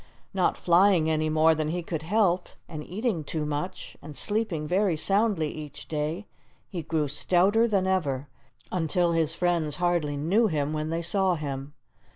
Not flying any more than he could help, and eating too much, and sleeping very soundly each day, he grew stouter than ever, until his friends hardly knew him when they saw him.